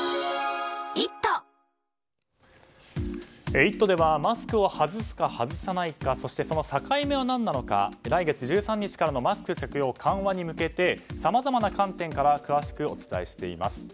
「イット！」ではマスクを外すか、外さないかそして、その境目は何なのか来月１３日からのマスク着用緩和に向けてさまざまな観点から詳しくお伝えしています。